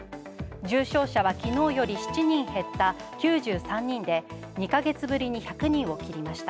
重症者は昨日より７人減った９３人で、２ヶ月ぶりに１００人を切りました。